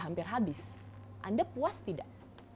hampir habis anda puas tidak